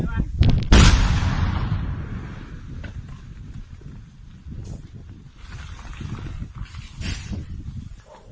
สวัสดีครับทุกคน